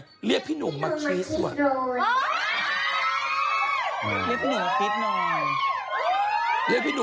กระเทยเก่งกว่าเออแสดงความเป็นเจ้าข้าว